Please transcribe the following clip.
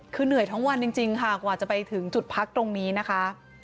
คือเหนื่อยทั้งวันจริงค่ะกว่าจะไปถึงจุดพักตรงนี้นะคะ